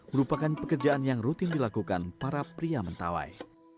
merupakan pekerjaan yang rutin dilakukan para pria mentawai